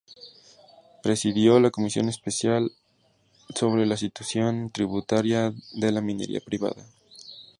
Presidió la Comisión Especial Sobre la Situación Tributaria de la Minería Privada.